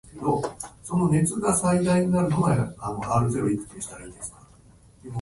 兄は起きるのが遅い